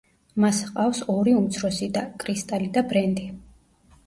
მას ჰყავს ორი უმცროსი და: კრისტალი და ბრენდი.